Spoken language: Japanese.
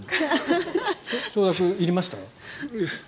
承諾いりました？